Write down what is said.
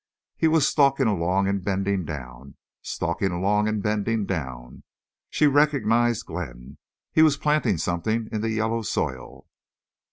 He was stalking along and bending down, stalking along and bending down. She recognized Glenn. He was planting something in the yellow soil.